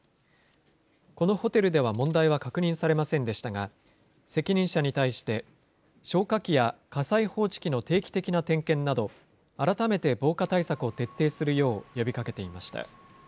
このホテルでは問題は確認されませんでしたが、責任者に対して、消火器や火災報知器の定期的な点検など、改めて防火対策を徹底するよう呼びかけていました。